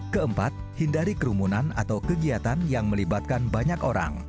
keempat hindari kerumunan atau kegiatan yang melibatkan banyak orang